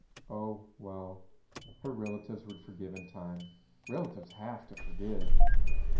Oh, well, her relatives would forgive in time. Relatives have to forgive.